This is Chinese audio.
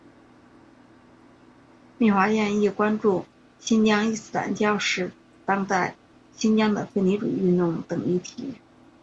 米华健亦关注新疆伊斯兰教史与当代新疆的分离主义运动等议题。